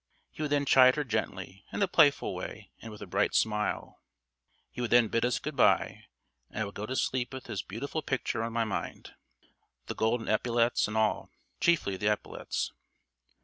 He would then chide her gently, in a playful way and with a bright smile. He would then bid us good bye, and I would go to sleep with this beautiful picture on my mind, the golden epaulets and all chiefly the epaulets.